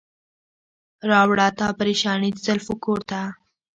راوړه تا پریشاني د زلفو کور ته.